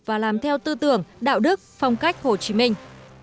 và làm theo tư tưởng đạo đức phong cách hồ chí minh